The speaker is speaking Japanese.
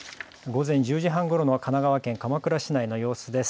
午前１０時半ごろの神奈川県鎌倉市内の様子です。